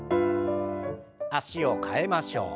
脚を替えましょう。